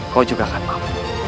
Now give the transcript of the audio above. kau juga akan maaf